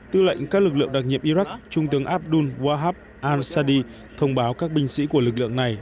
tư lệnh các lực lượng đặc nhiệm iraq trung tướng abdul wahab al sadi thông báo các binh sĩ của lực lượng này